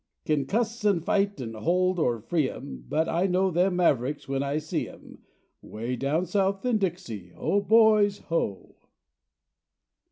Kin cuss an' fight an' hold or free 'em, But I know them mavericks when I see 'em, Way down south in Dixie, Oh, boys, Ho.